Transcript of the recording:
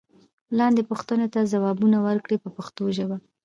لاندې پوښتنو ته ځوابونه ورکړئ په پښتو ژبه.